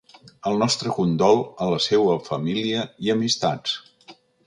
El nostre condol a la seua família i amistats.